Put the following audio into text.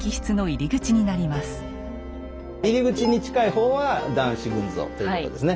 入り口に近い方は「男子群像」ということですね。